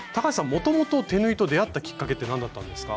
もともと手縫いと出会ったきっかけって何だったんですか？